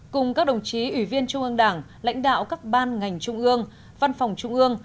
cùng các đồng chí ủy viên trung ương đảng lãnh đạo các ban ngành trung ương văn phòng trung ương